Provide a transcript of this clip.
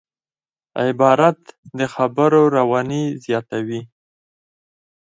عبارت د خبرو رواني زیاتوي.